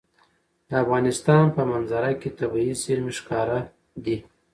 د افغانستان په منظره کې طبیعي زیرمې ښکاره ده.